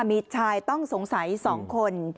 มีชายต้องสงสัย๒คน